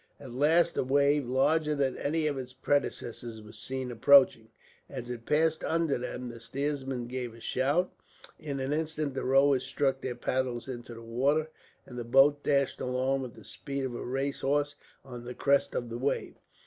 At last a wave, larger than any of its predecessors, was seen approaching. As it passed under them, the steersman gave a shout. In an instant the rowers struck their paddles into the water, and the boat dashed along, with the speed of a racehorse, on the crest of the wave.